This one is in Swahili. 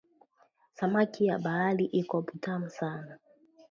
Samaki ya baari iko butamu sana